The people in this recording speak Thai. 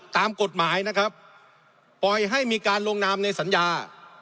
ตามกฎหมายนะครับปล่อยให้มีการลงนามในสัญญา